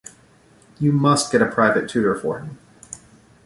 You must get a private tutor for him.